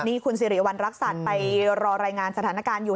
นี่คุณสิริวัณรักษัตริย์ไปรอรายงานสถานการณ์อยู่